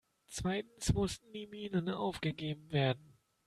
Zweitens mussten die Minen aufgegeben werden.